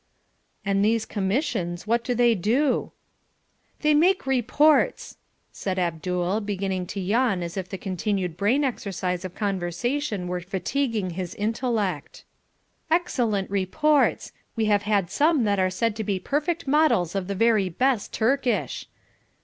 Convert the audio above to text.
"And these commissions, what do they do?" "They make Reports," said Abdul, beginning to yawn as if the continued brain exercise of conversation were fatiguing his intellect, "excellent reports. We have had some that are said to be perfect models of the very best Turkish."